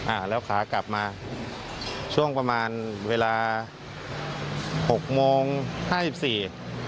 อ่าแล้วขากลับมาช่วงประมาณเวลาหกโมงห้าสิบสี่